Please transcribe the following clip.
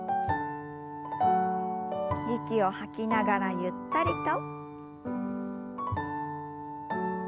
息を吐きながらゆったりと。